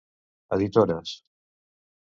Editores: